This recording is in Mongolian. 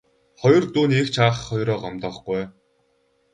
Хоёр дүү нь эгч ах хоёроо гомдоохгүй ээ.